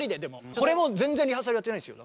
これも全然リハーサルやってないですよ。